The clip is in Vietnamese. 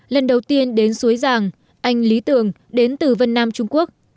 lần đầu tiên đến suối giàng anh lý tường đến từ vân nam trung quốc